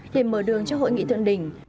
để mở đường cho hội nghị thượng đỉnh